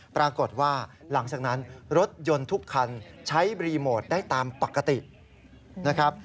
ปรากฏว่าหลังจากนั้นรถยนต์ทุกคันใช้รีโมทได้ตามปกตินะครับ